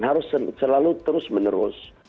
harus selalu terus menerus